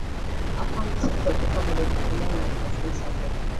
A fund to support the families of the miners has been started.